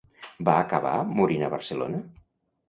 Va acabar morint a Barcelona?